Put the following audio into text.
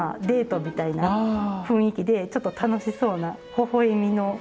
デートみたいな雰囲気でちょっと楽しそうなほほ笑みの。